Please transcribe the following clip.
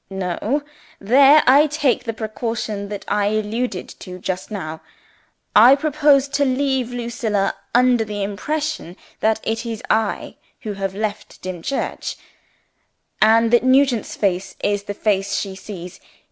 "No. There I take the precaution that I alluded to just now. I propose to leave Lucilla under the impression that it is I who have left Dimchurch, and that Nugent's face is the face she sees.